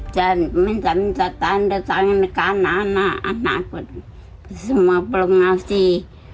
dan minta minta tanda tangan ke anak anak semua belum ngasih